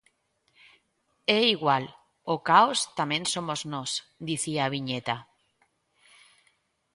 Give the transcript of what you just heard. "É igual, o caos tamén somos nós", dicía a viñeta.